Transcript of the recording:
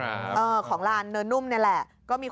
คุณผู้ชมถามมาในไลฟ์ว่าเขาขอฟังเหตุผลที่ไม่ให้จัดอีกที